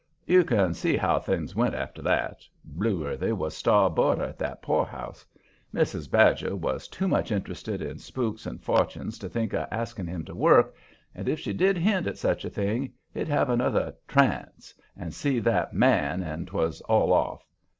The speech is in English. You can see how things went after that. Blueworthy was star boarder at that poorhouse. Mrs Badger was too much interested in spooks and fortunes to think of asking him to work, and if she did hint at such a thing, he'd have another "trance" and see that "man," and 'twas all off.